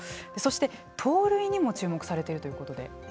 そして盗塁にも注目されているということで。